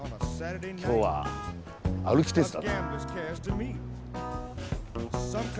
今日は歩き鉄だな。